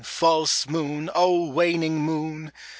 False moon ! O waning moon